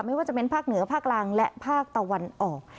ไม่ว่าจะเป็นภาคเหนือภาคล่างและภาคตะวันออก